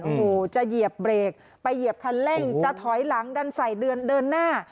โอ้โหจะเหยียบเบรกไปเหยียบคันเร่งจะถอยหลังดันใส่เดินหน้า